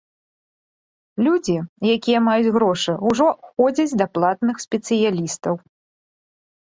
Людзі, якія маюць грошы, ужо ходзяць да платных спецыялістаў.